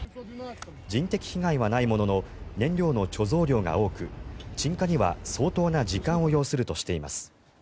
人的被害はないものの燃料の貯蔵量が多く鎮火には相当な時間を要するとしています。